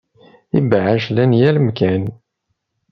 Ibɛac llan yal amkan.